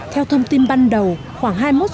theo thông tin ban đầu khoảng hai mươi một h ba mươi